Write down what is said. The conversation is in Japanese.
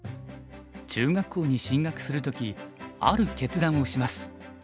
中学校に進学する時ある決断をします。